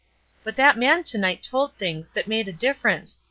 But that man to night told things that made a difference.